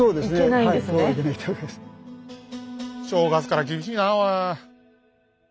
正月から厳しいなあおい。